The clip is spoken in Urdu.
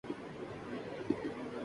اس نے منہ توڑ جواب دیا۔